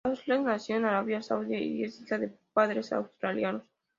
Ashleigh nació en Arabia Saudí y es hija de padres australianos.